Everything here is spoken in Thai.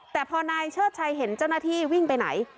แต่พอนายเชิดชัยเห็นเจ้าหน้าที่วิ่งไปไหน